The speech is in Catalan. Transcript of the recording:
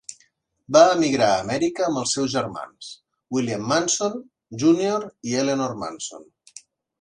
Va emigrar a Amèrica amb els seus germans: William Manson, Junior i Eleanor Manson.